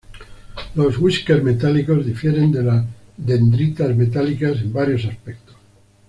Los "whiskers" metálicos difieren de las dendritas metálicas en varios aspectos.